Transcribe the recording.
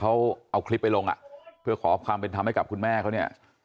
เขาเอาคลิปไปลงอ่ะเพื่อขอความเป็นธรรมให้กับคุณแม่เขาเนี่ย